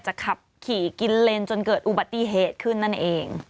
ขับขี่กินเลนจนเกิดอุบัติเหตุขึ้นนั่นเอง